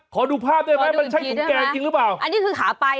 ขอดูภาพด้วยไหมมันใช่ถุงแกงจริงหรือเปล่าขอดูอีกทีด้วยมั้ย